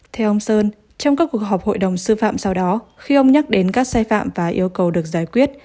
theo ông sơn trong các cuộc họp hội đồng sư phạm sau đó khi ông nhắc đến các sai phạm và yêu cầu được giải quyết